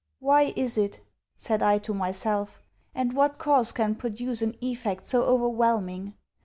'Why is it?' said I to myself, 'and what cause can produce an effect so overwhelming?